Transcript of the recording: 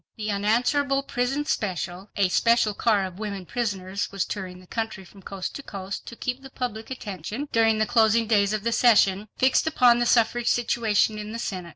The unanswerable "Prison Special"—a special car of women prisoners—was touring the country from coast to coast to keep the public attention, during the closing days of the session, fixed upon the suffrage situation in the Senate.